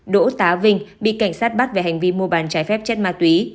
đỗ tá vinh bị cảnh sát bắt về hành vi mua bán trái phép chất ma túy